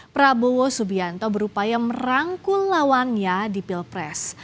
prabowo subianto berupaya merangkul lawannya di pilpres